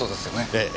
ええ。